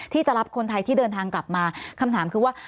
ที่จะรับคนไทยที่เดินทางกลับมาคำถามคือว่า